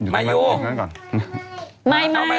ไม่ไม่